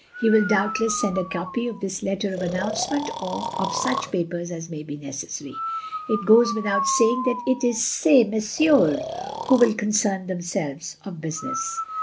He will doubtless send a copy of his letter of announcement, or of such papers as may be necessary. It goes without saying that it is ces messieurs who will concern themselves of business.